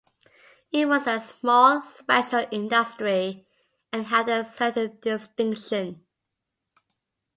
It was a small, special industry, and had a certain distinction.